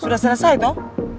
sudah selesai tau